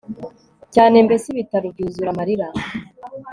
cyane mbese ibitaro byuzura amarira